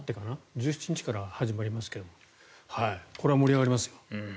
１７日から始まりますけどもこれは盛り上がりますよ。